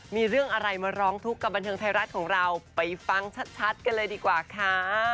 มีเรื่องอะไรมาร้องทุกข์กับบันเทิงไทยรัฐของเราไปฟังชัดกันเลยดีกว่าค่ะ